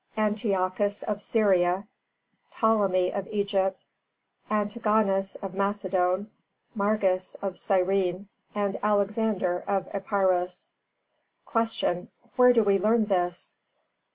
ANTIOCHUS of Syria, PTOLEMY of Egypt, ANTIGONUS of Macedon, MARGAS of Cyrene, and ALEXANDER of Epiros. 304. Q. _Where do we learn this?